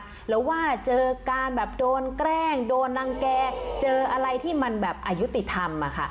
หรือว่าเจอการแบบโดนแกล้งโดนรังแก่เจออะไรที่มันแบบอายุติธรรมอะค่ะ